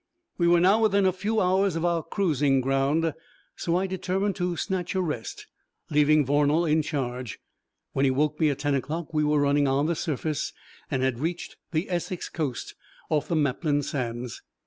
We were now within a few hours of our cruising ground, so I determined to snatch a rest, leaving Vornal in charge. When he woke me at ten o'clock we were running on the surface, and had reached the Essex coast off the Maplin Sands.